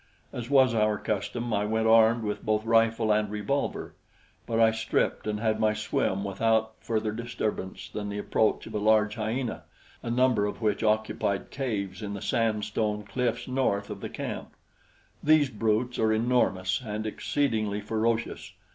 As was our custom, I went armed with both rifle and revolver; but I stripped and had my swim without further disturbance than the approach of a large hyena, a number of which occupied caves in the sand stone cliffs north of the camp. These brutes are enormous and exceedingly ferocious.